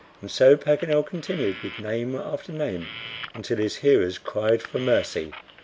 And so Paganel continued with name after name until his hearers cried for mercy.